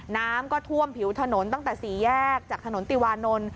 น้ำก็ท่วมผิวถนนตั้งแต่สี่แยกจากถนนติวานนท์